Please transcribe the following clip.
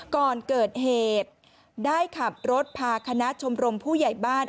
ก่อนเกิดเหตุได้ขับรถพาคณะชมรมผู้ใหญ่บ้าน